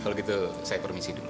kalau gitu saya permisi dulu